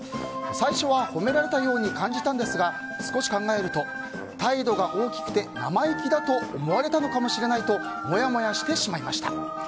最初は褒められたように感じたんですが少し考えると態度が大きくて生意気だと思われたのかもしれないとモヤモヤしてしまいました。